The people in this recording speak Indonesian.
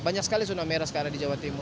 banyak sekali zona merah sekarang di jawa timur